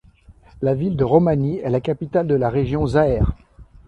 La ville de Rommani est la capitale de la région Zaer.